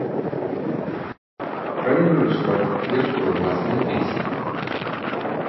Калі выйшла першая ўласная песня?